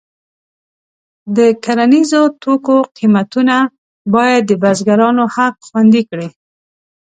د کرنیزو توکو قیمتونه باید د بزګرانو حق خوندي کړي.